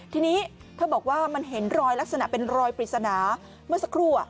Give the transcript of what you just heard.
ทีนี้เธอบอกว่ามันเห็นรอยลักษณะเป็นรอยปริศนาเมื่อสักครู่